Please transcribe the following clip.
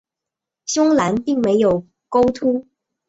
胸篮并没有钩突。